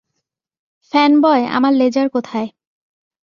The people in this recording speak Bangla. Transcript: ফ্যানবয়, আমার লেজার কোথায়?